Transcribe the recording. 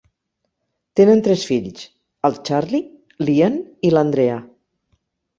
Tenen tres fills: el Charlie, l'Ian i la Andrea.